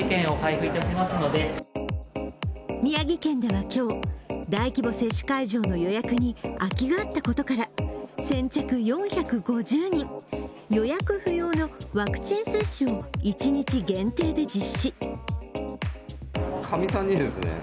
宮城県では今日、大規模接種会場の予約に空きがあったことから先着４５０人、予約不要のワクチン接種を一日限定で実施。